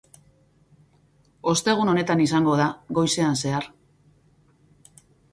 Ostegun honetan izango da, goizean zehar.